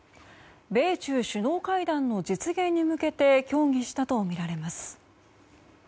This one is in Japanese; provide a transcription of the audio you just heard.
米中首脳会談の実現に向けて協議したとみられます。